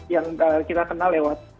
yang kita kenal lewat